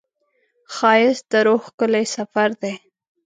ښایست د روح ښکلی سفر دی